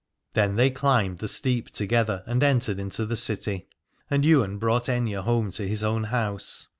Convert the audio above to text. Then they climbed the Steep together and entered into the city : and Ywain brought Aithne home to his own house.